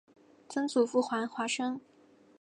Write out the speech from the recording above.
曾祖父黄华生。